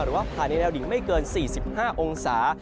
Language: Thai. หรือว่าภายในแนวดิ่งไม่เกิน๔๕องศา